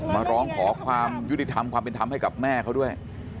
มาร้องขอความยุติธรรมความเป็นธรรมให้กับแม่เขาด้วย